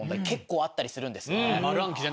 結構あったりするんです。